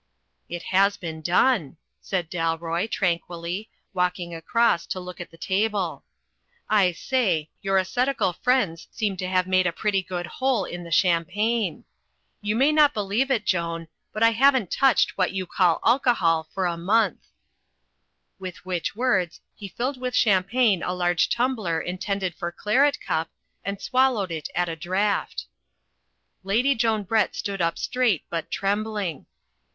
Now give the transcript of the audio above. "It has been done," said Dalroy, tranquilly, walk ing across to look at the table. "I say, your ascetical friends seem to have made a pretty good hole in the champagne. You may not believe it, Joan, but I haven't touched what you call alcohol for a month." VEGETARIANISM IN THE FOREST 147 With which words he filled with champagne a large tumbler intended for claret cup and swallowed it at a draught. Lady Joan Brett stood up straight but trembling.